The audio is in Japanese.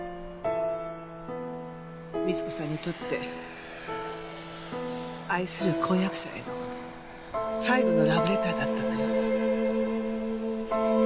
美津子さんにとって愛する婚約者への最後のラブレターだったのよ。